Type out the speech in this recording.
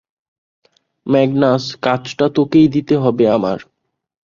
Magnus, কাজটা তোকেই দিতে হবে আমার।